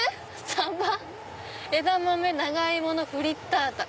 ⁉「サバ枝豆長芋のフリッタータ」。